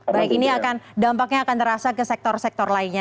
baik ini akan dampaknya akan terasa ke sektor sektor lainnya